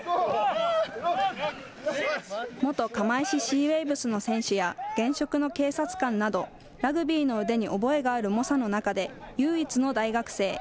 元釜石シーウェイブスの選手や、現職の警察官など、ラグビーの腕に覚えがある猛者の中で、唯一の大学生。